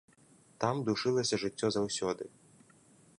Там душылася жыццё заўсёды.